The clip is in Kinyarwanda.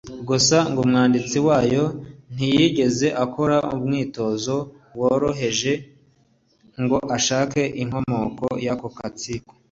Gusa ngo umwanditsi wayo ntiyigeze akora umwitozo woroheje ngo ashake inkomoko y’ako gatsiko k’ubwiru